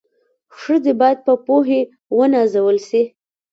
ښځي بايد په پوهي و نازول سي